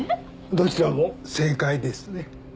どちらも正解ですね。